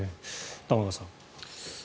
玉川さん。